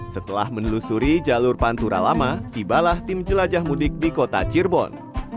setelah menelusuri jalur pantura lama tibalah tim jelajah mudik di kota cirebon